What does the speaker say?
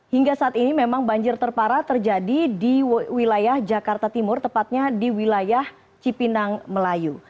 hingga saat ini memang banjir terparah terjadi di wilayah jakarta timur tepatnya di wilayah cipinang melayu